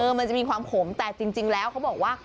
มันจะมีความขมแต่จริงแล้วเขาบอกว่า